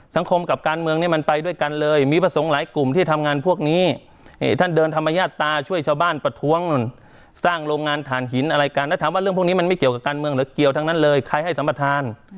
สังคมกับการเมืองนี้มันไปด้วยกันเลยมีพระสงฆ์หลายกลุ่มที่ทำงานพวกนี้ท่านเดินธรรมญาตาช่วยชาวบ้านประท้วงนู่นสร้างโรงงานฐานหินอะไรกันแล้วถามว่าเรื่องพวกนี้มันไม่เกี่ยวกับการเมืองหรือเกี่ยวทั้งนั้นเลยใครให้สัมประธาน